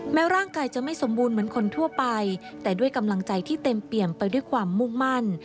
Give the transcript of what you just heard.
ร่างกายจะไม่สมบูรณ์เหมือนคนทั่วไปแต่ด้วยกำลังใจที่เต็มเปี่ยมไปด้วยความมุ่งมั่น